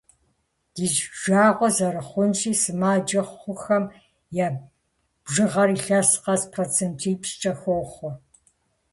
Ди жагъуэ зэрыхъунщи, сымаджэ хъухэм я бжыгъэр илъэс къэс процентипщӏкӏэ хохъуэ.